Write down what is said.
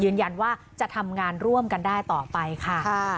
ยืนยันว่าจะทำงานร่วมกันได้ต่อไปค่ะ